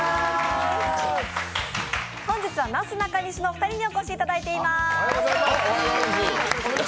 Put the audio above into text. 本日はなすなかにしのお二人にお越しいただいてます。